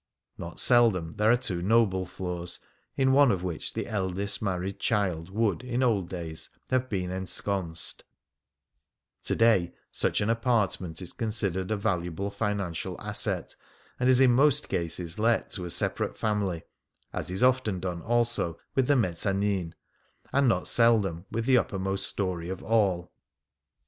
Not seldom there are two " noble " floors, in one of which the eldest married child would, in old days, have been ensconced : to day such an apartment is con sidered a valuable financial asset, and is in most cases let to a separate family — as is often done, also, with the mezzanhi^ and not seldom with the uppermost story of all.